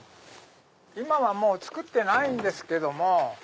今はもう作ってないんですけども。